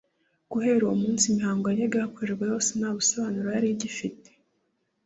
Guhera uwo munsi imihango yajyaga hakorerwa yose nta busobanruo yari igifite,